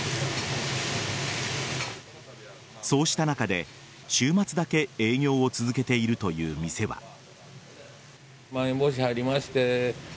そうした中で、週末だけ営業を続けているという店は。